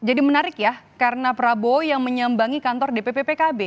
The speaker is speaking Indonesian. ini jadi menarik ya karena prabowo yang menyembangi kantor dpp pkb